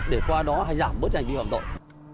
để qua đó giảm bớt hành vi phạm tội